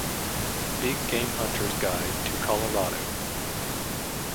Big Game Hunters Guide to Colorado.